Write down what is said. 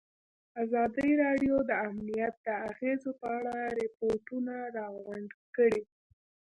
ازادي راډیو د امنیت د اغېزو په اړه ریپوټونه راغونډ کړي.